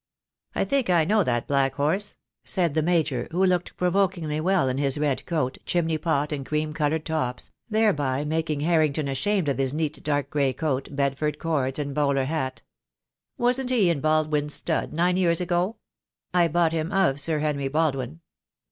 "I think I know that black horse," said the Major, who looked provokingly well in his red coat, chimney pot, and cream coloured tops, thereby making Harrington ashamed of his neat dark gray coat, Bedford cords, and bowler hat. "Wasn't he in Baldwin's stud nine years ago?" "I bought him of Sir Henry Baldwin."